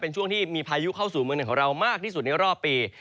เป็นช่วงที่มีพายุเข้าสู่เมืองไหนของเรามากที่สุดในรอบปี